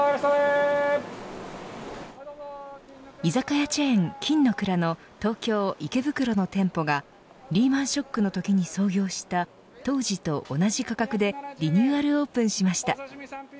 居酒屋チェーン、金の蔵の東京、池袋の店舗がリーマン・ショックのときに創業した当時と同じ価格でリニューアルオープンしました。